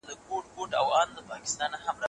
استادانو محصلینو ته د څېړني لارښوونې وکړې.